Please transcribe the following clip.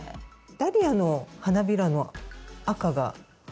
ダリアの花びらの赤が実は。